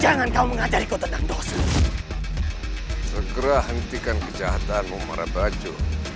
jangan kau mengajari ku tentang dosa segera hentikan kejahatanmu marwajo